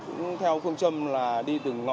cũng theo phương châm là đi từ ngõ